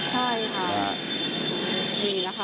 ใช่ค่ะดีแล้วค่ะ